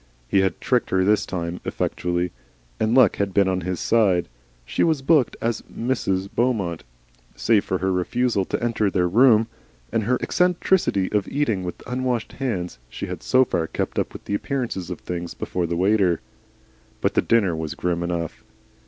He had tricked her this time, effectually, and luck had been on his side. She was booked as Mrs. Beaumont. Save for her refusal to enter their room, and her eccentricity of eating with unwashed hands, she had so far kept up the appearances of things before the waiter. But the dinner was grim enough.